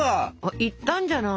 いったんじゃない？